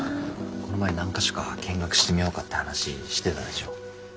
この前何か所か見学してみようかって話してたでしょ。